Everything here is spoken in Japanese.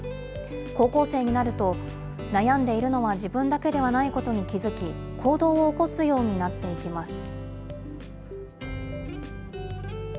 高校生になると、悩んでいるのは自分だけではないことに気付き、行動を起こすようになっていきます。